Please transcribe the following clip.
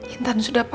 intan sudah berubah